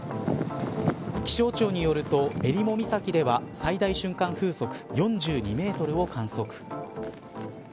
気象庁によるとえりも岬では最大瞬間風速４２メートルを観測。